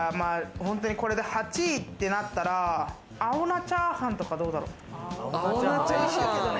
８位ってなったら青菜チャーハンとか、どうだろう？